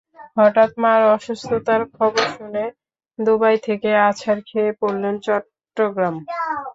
হঠাৎ মার অসুস্থতার খবর শুনে দুবাই থেকে আছাড় খেয়ে পড়লাম চট্টগ্রাম।